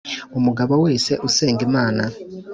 Umugabo wese usenga imana.